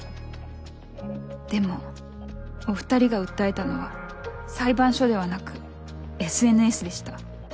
でもお２人が訴えたのは裁判所ではなくＳＮＳでした。